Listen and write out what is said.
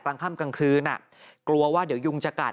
กลางค่ำกลางคืนกลัวว่าเดี๋ยวยุงจะกัด